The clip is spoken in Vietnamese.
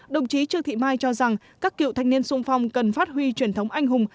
đồng chí trương thị mai cho rằng các cựu thanh niên sung phong cần phát huy truyền thống anh hùng